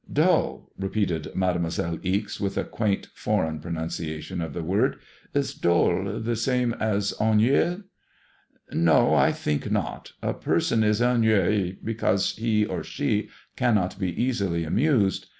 *'Dull," repeated Mademoiselle Ixe, with a quaint, foreign pro nunciation of the word. Is dull the same as ennuyeux ?'No ; I think not. A person is ennuyi because he or she can not be easily amused.